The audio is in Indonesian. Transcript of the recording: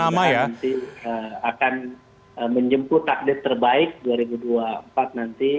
kita nanti akan menjemput takdir terbaik dua ribu dua puluh empat nanti